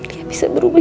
dia bisa berubah